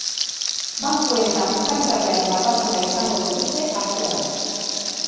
Bankuen eta fiskalitatearen batasuna izango dituzte aztergai.